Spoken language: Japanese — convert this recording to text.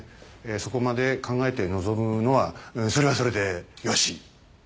そこまで考えて臨むのはそれはそれでよし。